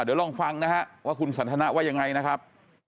เดี๋ยวลองฟังนะฮะว่าคุณสันทนาว่ายังไงนะครับ